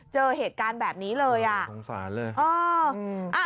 เจอเหตุการณ์แบบนี้เลยอ่ะ